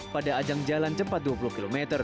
pada ajang jalan cepat dua puluh km